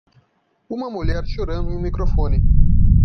Uma mulher chorando em um microfone.